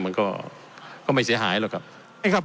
มันก็ไม่เสียหายหรอกครับ